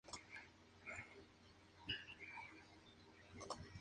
Su cabecera es la ciudad de Barva.